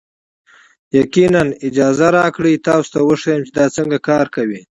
یقینا، اجازه راکړئ تاسو ته وښیم چې دا څنګه کار کوي.